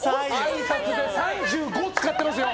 あいさつで３５使ってますよ！